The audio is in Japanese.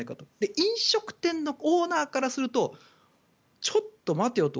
飲食店のオーナーからするとちょっと待てよと。